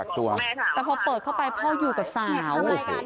แต่พอเปิดเข้าไปพ่ออยู่กับสาว